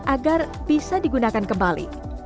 agar bisa digunakan kembali